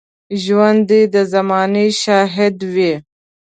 ژوندي د زمانې شاهد وي